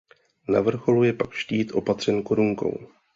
Na vrcholu je pak štít opatřen korunkou.